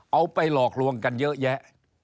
เอาไปหลอกลวงกันเยอะแยะ